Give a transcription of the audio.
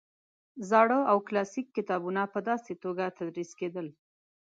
زاړه او کلاسیک کتابونه په داسې توګه تدریس کېدل.